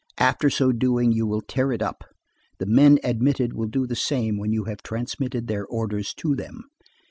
After so doing ||||||| you will tear it up. The men admitted will do the same ||||||| when you have transmitted their orders to them.